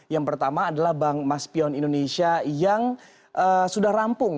yang pertama adalah bank maspion indonesia yang sudah rampung